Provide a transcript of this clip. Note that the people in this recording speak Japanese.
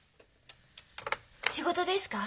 仕事ですか？